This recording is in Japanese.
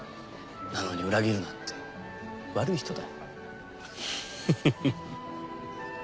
なのに裏切るなんて悪い人だ。